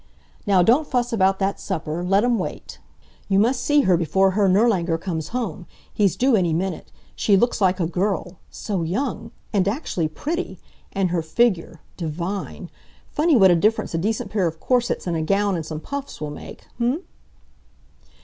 "Now don't fuss about that supper! Let 'em wait. You must see her before Herr Nirlanger comes home. He's due any minute. She looks like a girl. So young! And actually pretty! And her figure divine! Funny what a difference a decent pair of corsets, and a gown, and some puffs will make, h'm?"